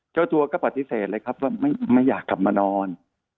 เจ้าตัวก็ปฏิเสธเลยครับว่าไม่อยากกลับมานอน